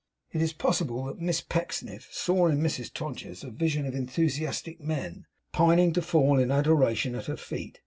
It is possible that Miss Pecksniff saw in Mrs Todgers's a vision of enthusiastic men, pining to fall in adoration at her feet.